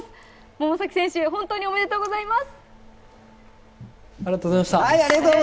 百崎選手、本当におめでとうございます。